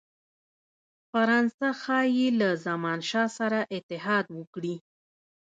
فرانسه ښايي له زمانشاه سره اتحاد وکړي.